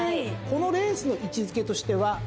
このレースの位置付けとしては。